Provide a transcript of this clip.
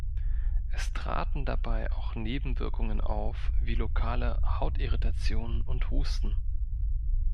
Es traten dabei auch Nebenwirkungen auf wie lokale Hautirritationen und Husten.